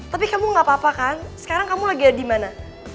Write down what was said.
tapi kamu gak apa apa kan sekarang kamu lagi di mana